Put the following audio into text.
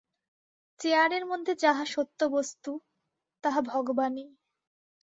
চেয়ারের মধ্যে যাহা সত্যবস্তু, তাহা ভগবানই।